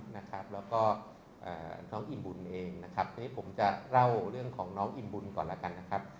แล้วก็น้องอิ่มบุญเองนะครับทีนี้ผมจะเล่าเรื่องของน้องอิ่มบุญก่อนแล้วกันนะครับ